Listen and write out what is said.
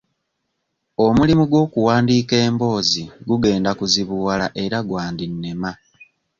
Omulimu gw'okuwandiika emboozi gugenda guzibuwala era gwandinnema.